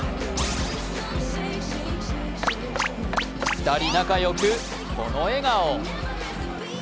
２人仲よく、この笑顔。